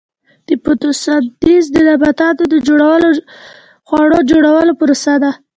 فوتوسنتیز د نباتاتو د خوړو جوړولو پروسه ده